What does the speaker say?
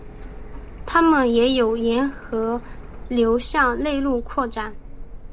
它们也有沿河流向内陆扩展。